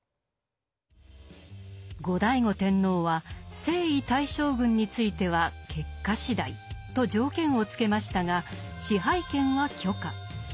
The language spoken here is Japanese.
後醍醐天皇は征夷大将軍については結果次第と条件をつけましたが支配権は許可。